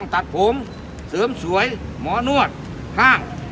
ตัดผมเสริมสวยหมอนวดห้าง